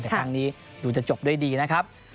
แต่ครั้งนี้ดูจะจบด้วยดีนะครับ